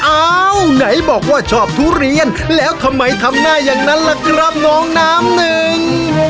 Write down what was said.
อ้าวไหนบอกว่าชอบทุเรียนแล้วทำไมทำหน้าอย่างนั้นล่ะครับน้องน้ำหนึ่ง